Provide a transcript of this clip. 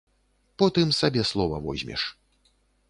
Потым сабе слова возьмеш.